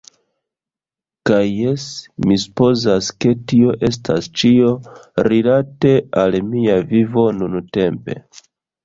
Kaj jes, mi supozas, ke tio estas ĉio rilate al mia vivo nuntempe.